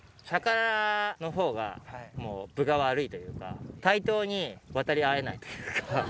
魚のほうがもう、分が悪いというか、対等に渡り合えないというか。